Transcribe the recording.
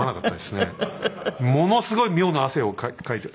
ものすごい妙な汗をかいて。